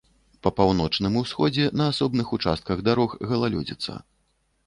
Па паўночным усходзе на асобных участках дарог галалёдзіца.